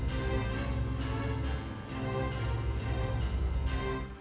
ah uang tinggal segini